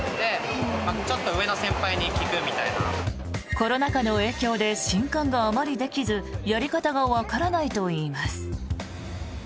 コロナ禍の影響で新歓があまりできずやり方がわからないといいます。